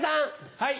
はい。